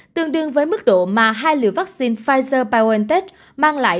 tương đương với mức độ mà hai liều vaccine pfizer biontech mang lại